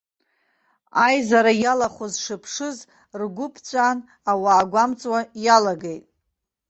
Аизара иалахәыз шыԥшыз ргәы ԥҵәан ауаа гәамҵуа иалагеит.